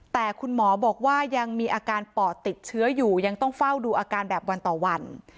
แต่คุณหมอบอกว่ายังมีอาการปอดติดเชื้ออยู่ยังต้องเฝ้าดูอาการแบบวันต่อวัน